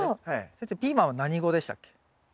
先生ピーマンは何語でしたっけ？